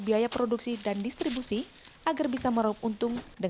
jika tidak petani terpaksa diberi kekuatan